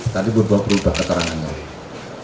tadi berubah ubah keterangan